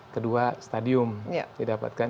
kedua stadium didapatkan